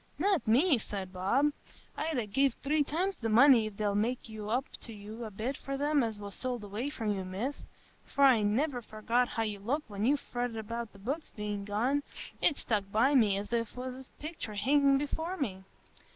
"Not me!" said Bob. "I'd ha' gev three times the money if they'll make up to you a bit for them as was sold away from you, Miss. For I'n niver forgot how you looked when you fretted about the books bein' gone; it's stuck by me as if it was a pictur hingin' before me.